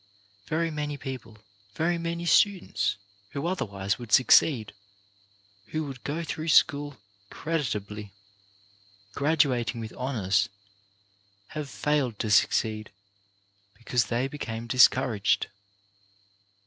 Very many people, very many students, who otherwise would succeed, who would go through school creditably, graduating with hon ours, have failed to succeed because they became discouraged.